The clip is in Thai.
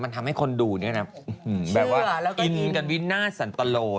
มันทำให้คนดูเนี่ยนะแบบว่ากินกันวินาทสันตโล